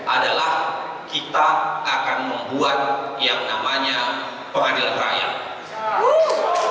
adalah kita akan membuat yang namanya pengadilan rakyat